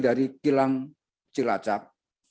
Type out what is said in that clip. dari kilang cilacap